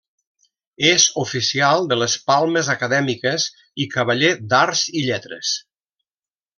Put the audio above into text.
És oficial de les Palmes Acadèmiques i cavaller d'Arts i Lletres.